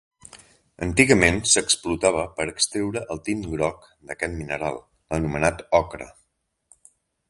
Antigament s'explotava per extreure el tint groc d'aquest mineral, l'anomenat ocre.